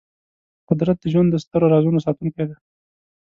قدرت د ژوند د سترو رازونو ساتونکی دی.